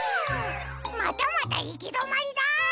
またまたいきどまりだ！